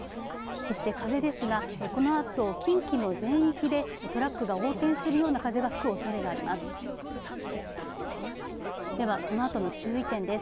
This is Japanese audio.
そして風ですがこのあと近畿の全域でトラックが横転するような風が吹くおそれがあります。